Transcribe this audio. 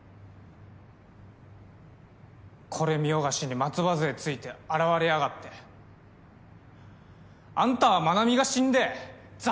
これ見よがしに松葉づえついて現れやあんたは真奈美が死んでざ